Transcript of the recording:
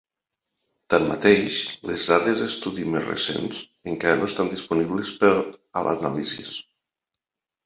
Tanmateix, les dades d'estudi més recents encara no estan disponibles per a l'anàlisi.